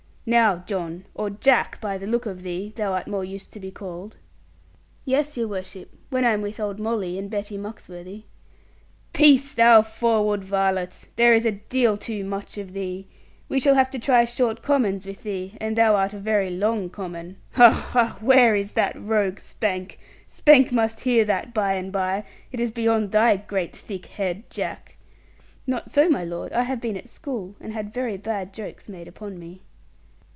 Now John, or Jack, by the look of thee, thou art more used to be called.' 'Yes, your worship, when I am with old Molly and Betty Muxworthy.' 'Peace, thou forward varlet! There is a deal too much of thee. We shall have to try short commons with thee, and thou art a very long common. Ha, ha! Where is that rogue Spank? Spank must hear that by and by. It is beyond thy great thick head, Jack.' 'Not so, my lord; I have been at school, and had very bad jokes made upon me.'